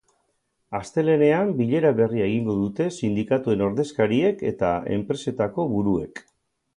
Astelehenean bilera berria egingo dute sindikatuen ordezkariek eta enpresetako buruek.